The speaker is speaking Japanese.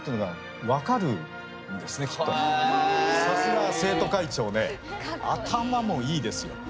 さすがは生徒会長で頭もいいですよ。